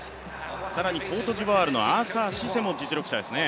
更にコートジボワールのアーサー・シセも実力者ですね。